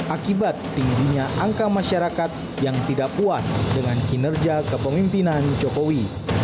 akibat tingginya angka masyarakat yang tidak puas dengan kinerja kepemimpinan jokowi